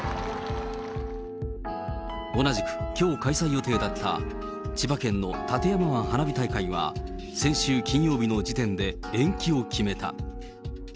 同じくきょう開催予定だった、千葉県の館山湾花火大会は、先週金曜日の時点で延期を決めた。